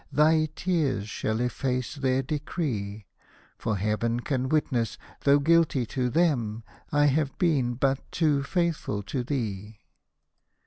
Thy tears shall efface their decree ; For Heaven can witness, though guilty to them, I have been but too faithful to thee.